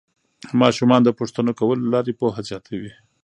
ماشومان د پوښتنو کولو له لارې پوهه زیاتوي